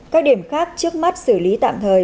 các điểm khác trước mắt xử lý tạm thời